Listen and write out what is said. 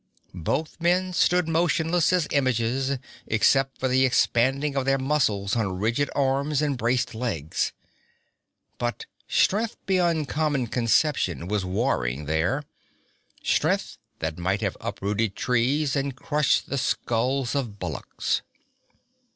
Both men stood motionless as images, except for the expanding of their muscles on rigid arms and braced legs, but strength beyond common conception was warring there strength that might have uprooted trees and crushed the skulls of bullocks.